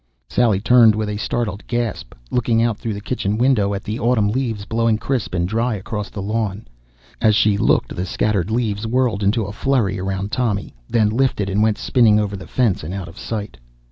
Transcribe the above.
Sally turned with a startled gasp, looked out through the kitchen window at the autumn leaves blowing crisp and dry across the lawn. As she looked the scattered leaves whirled into a flurry around Tommy, then lifted and went spinning over the fence and out of sight.